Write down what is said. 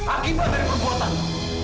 akibat dari perbuatan lo